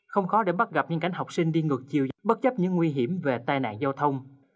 không khó để bắt gặp những cảnh học sinh đi ngược chiều bất chấp những nguy hiểm về tai nạn giao thông